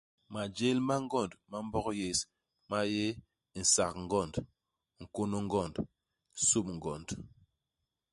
Majél ma ngond ma Mbog yés, ma yé nsak-ngond, nkônô-ngond, sup-ngond.